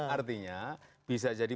artinya bisa jadi